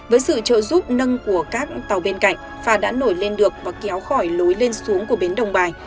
với sự trợ giúp nâng của các tàu bên cạnh phà đã nổi lên được và kéo khỏi lối lên xuống của bến đồng bài